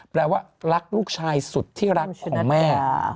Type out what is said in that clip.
แปลว่ารักลูกชายสุดที่รักของแม่